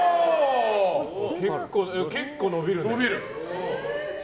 結構、伸びるね。